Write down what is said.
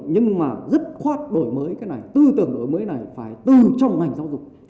nhưng mà dứt khoát đổi mới cái này tư tưởng đổi mới này phải từ trong ngành giáo dục